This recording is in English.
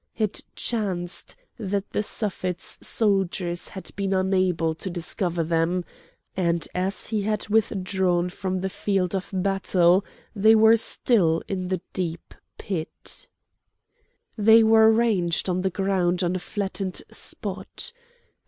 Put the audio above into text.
It chanced that the Suffet's soldiers had been unable to discover them, and as he had withdrawn from the field of battle they were still in the deep pit. They were ranged on the ground on a flattened spot.